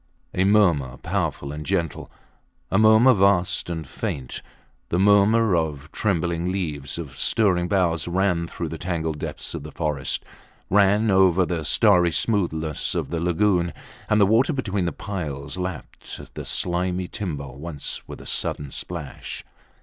A murmur powerful and gentle, a murmur vast and faint; the murmur of trembling leaves, of stirring boughs, ran through the tangled depths of the forests, ran over the starry smoothness of the lagoon, and the water between the piles lapped the slimy timber once with a sudden splash.